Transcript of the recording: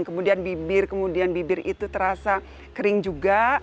kemudian bibir kemudian bibir itu terasa kering juga